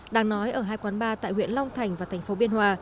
đang nói ở hai quán bar tại huyện long thành và thành phố biên hòa